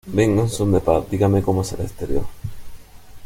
Vengo en son de paz. Dígame como es el exterior.